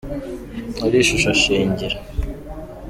Wari ishusho shingiro